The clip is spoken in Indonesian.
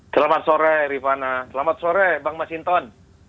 selamat sore rifana selamat sore bang masinton